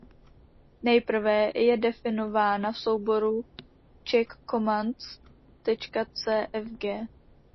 Nejprve je definována v souboru checkcommands.cfg.